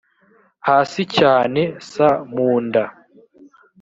hasi cyane s mu nda